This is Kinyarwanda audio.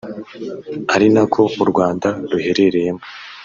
ari nako u Rwanda ruherereyemo